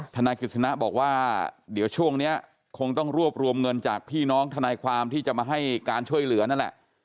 ทนายกฤษณะบอกว่าเดี๋ยวช่วงนี้คงต้องรวบรวมเงินจากพี่น้องทนายความที่จะมาให้การช่วยเหลือนั่นแหละ